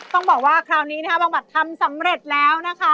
ต้องบอกว่าคราวนี้นะครับประกันทำสำเร็จแล้ว